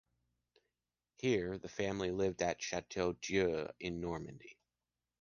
Here, the family lived at Château d’Eu in Normandy.